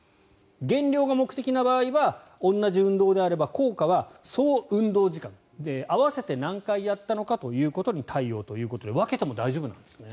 減量が目的の場合は同じ運動であれば効果は総運動時間合わせて何回やったのかということに対応ということで分けても大丈夫なんですね。